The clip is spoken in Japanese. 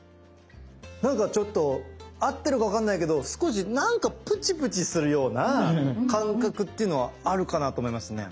なんかちょっと合ってるかわかんないけど少しなんかプチプチするような感覚っていうのはあるかなと思いますね。